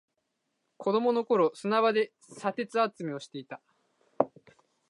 子供の頃、砂場で砂鉄集めをしていた。